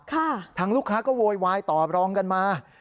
ทางลูกค้าก็โวยวายตอบรองกันมา